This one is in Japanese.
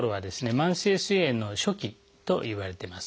慢性すい炎の初期といわれています。